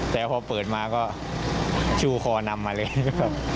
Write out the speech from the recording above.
แต่พอเปิดมาก็ชู่คอนำมาเลยนะครับ